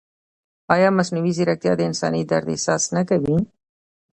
ایا مصنوعي ځیرکتیا د انساني درد احساس نه کوي؟